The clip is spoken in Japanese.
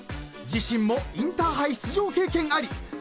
［自身もインターハイ出場経験あり］